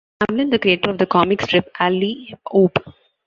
Hamlin, the creator of the comic strip "Alley Oop".